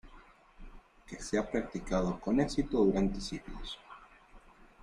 que se ha practicado con éxito durante siglos